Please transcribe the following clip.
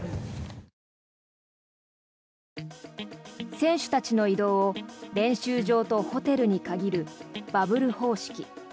選手たちの移動を練習場とホテルに限るバブル方式。